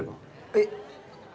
えっ！